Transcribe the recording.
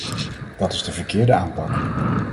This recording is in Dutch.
Dat is de verkeerde aanpak.